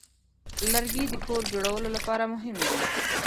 لرګی د کور جوړولو لپاره مهم دی.